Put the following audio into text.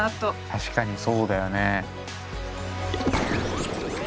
確かにそうだよね。